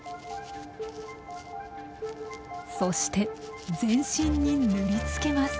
そして全身に塗りつけます。